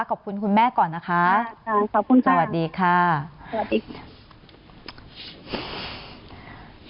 ขอบคุณคุณแม่ก่อนนะคะขอบคุณสวัสดีค่ะสวัสดีค่ะ